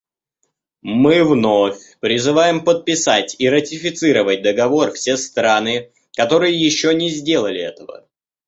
Мы вновь призываем подписать и ратифицировать Договор все страны, которые еще не сделали этого.